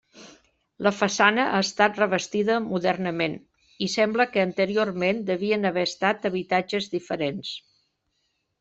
La façana ha estat revestida modernament i sembla que anteriorment devien haver estat habitatges diferents.